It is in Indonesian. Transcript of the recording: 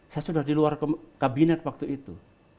saya sudah di luar kabinet waktu itu